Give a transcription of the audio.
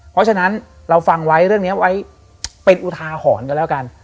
เพราะฉะนั้นเราฟังไว้เรื่องนี้ไว้เป็นอุทาหรณ์กันแล้วกัน